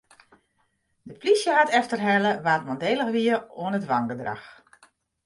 De polysje hat efterhelle wa't mandélich wiene oan it wangedrach.